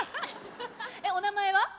お名前は？